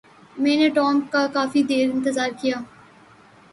میں نے ٹام کا کافی دیر انتظار کیا۔